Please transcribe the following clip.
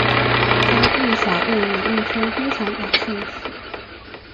她自小对演艺圈非常感兴趣。